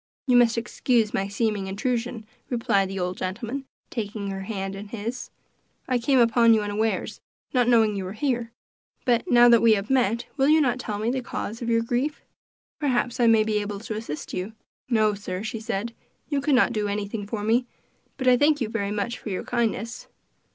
"You must excuse my seeming intrusion," replied the old gentleman, taking her hand in his. "I came upon you unawares, not knowing you were here; but now that we have met, will you not tell me the cause of your grief? Perhaps I may be able to assist you." "No, sir," she said, "you could not do anything for me; but I thank you very much for your kindness."